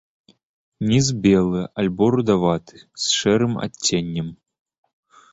Ніз белы альбо рудаваты з шэрым адценнем.